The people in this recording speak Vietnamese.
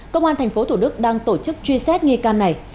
công an tp thủ đức đang tổ chức truy xét nghi can này